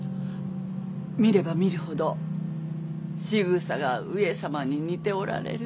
見れば見るほどしぐさが上様に似ておられる。